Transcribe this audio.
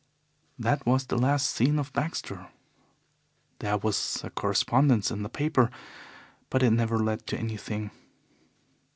That was the last seen of Baxter. There was a correspondence in the papers, but it never led to anything.